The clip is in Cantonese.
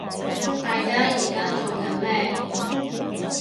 大家依家做緊咩